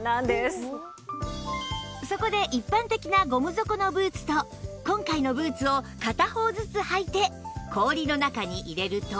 そこで一般的なゴム底のブーツと今回のブーツを片方ずつ履いて氷の中に入れると